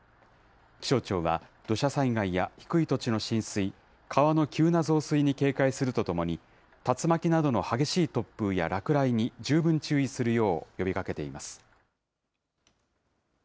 気象庁は、土砂災害や低い土地の浸水、川の急な増水に警戒するとともに、竜巻などの激しい突風や落雷に十分注意するよう呼びかけています。